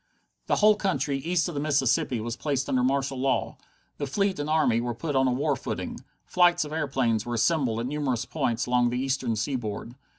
The whole country east of the Mississippi was placed under martial law. The fleet and army were put on a war footing. Flights of airplanes were assembled at numerous points along the eastern seaboard.